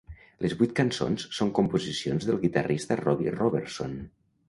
Les vuit cançons són composicions del guitarrista Robbie Robertson.